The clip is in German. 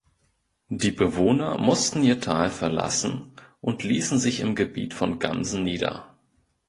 Die Bewohner mussten ihr Tal verlassen und liessen sich im Gebiet von Gamsen nieder.